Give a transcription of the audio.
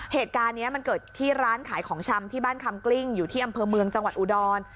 เหตุการณ์นี้มันเกิดที่ร้านขายของชำที่บ้านคำกลิ้งอยู่ที่อำเภอเมืองจังหวัดอุดร